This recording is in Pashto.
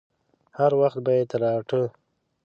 هر وخت به يې تراټه.